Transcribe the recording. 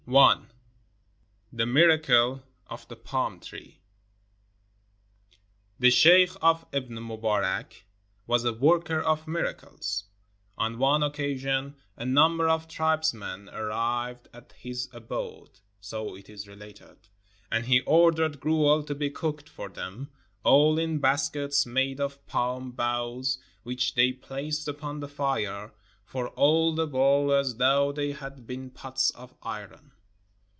] I. THE MIRACLE OF THE PALM TREE The sheikh of Ibn Mubarak was a worker of miracles. On one occasion a number of tribesmen arrived at his abode (so it is related), and he ordered gruel to be cooked for them all in baskets made of palm boughs, which they placed upon the fire, for all the world as though they had been pots of iron.